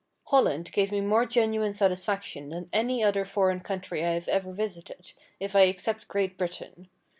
Holland gave me more genuine satisfaction than any other foreign country I have ever visited, if I except Great Britain.